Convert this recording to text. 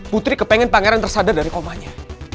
putri kepengen pangeran tersadar dari omahnya